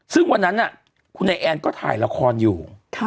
ซึ่งวันนั้นคุณไอแอนก็ถ่ายละครอยู่